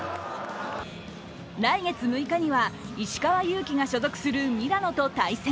来月６日には石川祐希が所属するミラノと対戦。